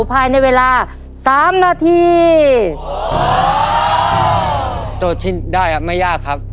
ภายในเวลาสามนาทีตรวจชิ้นได้อ่ะไม่ยากครับ